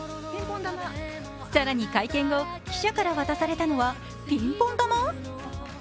更に会見後、記者から渡されたのはピンポン球。